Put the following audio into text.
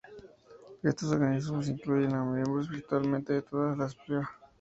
Estos organismos incluyen a miembros virtualmente de todas las phyla.